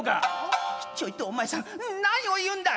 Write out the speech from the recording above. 「ちょいとお前さん何を云うんだい。